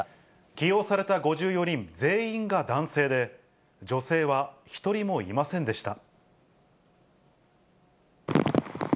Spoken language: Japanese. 起用された５４人全員が男性で、女性は１人もいませんでした。